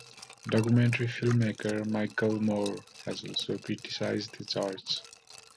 Documentary filmmaker Michael Moore has also criticized the church.